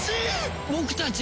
僕たち。